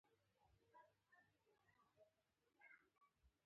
موږ د عددونو ژبه د کمپیوټر لپاره تعلیم ورکوو.